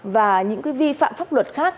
và những vi phạm pháp luật khác